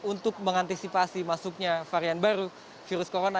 untuk mengantisipasi masuknya varian baru virus corona